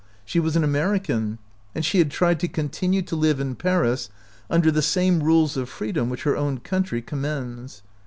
She was an American, and she had tried to con tinue to live in Paris under the same rules of freedom which her own country com mends.